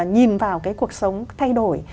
nhìn vào cái cuộc sống thay đổi